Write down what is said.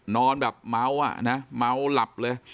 นอนแบบเมาท์อะไรนะเมาท์หลับเลย